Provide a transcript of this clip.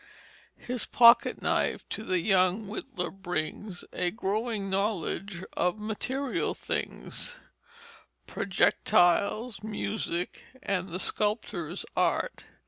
His pocket knife to the young whittler brings A growing knowledge of material things, Projectiles, music, and the sculptor's art.